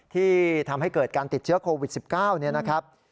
ที่ทำให้เกิดการติดเชื้อโควิด๑๙เนี่ยนะครับ